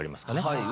はい。